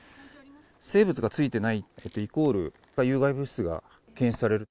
生物がついてないことイコール有害物質が検出される。